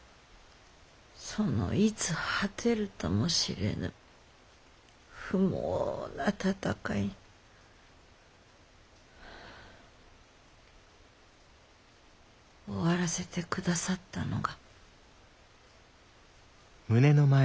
そのいつ果てるともしれぬ不毛な戦い終わらせて下さったのが。